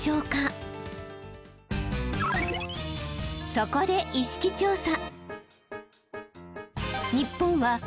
そこで意識調査。